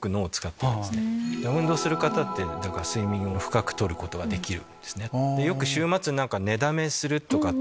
運動をする方って睡眠を深くとることができる。